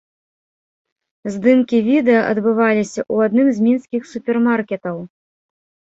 Здымкі відэа адбываліся ў адным з мінскіх супермаркетаў.